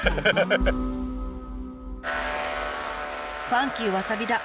ファンキーわさび田